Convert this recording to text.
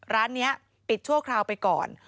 ร้านนี้ปิดชั่วคราวไปก่อน